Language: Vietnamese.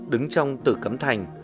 đứng trong tử cấm thành